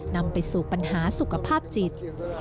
นำไปสู่ปัญหาสุขภาพจิต